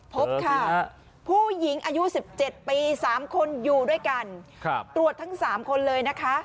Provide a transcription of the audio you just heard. พบค่ะผู้หญิงอายุ๑๗ปี๓คนอยู่ด้วยกันตรวจทั้ง๓คนเลยนะคะ